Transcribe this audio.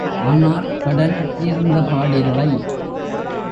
ஆனால் கடன் தீர்ந்தபாடில்லை.